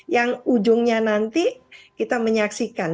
yang ujungnya nanti kita menyaksikan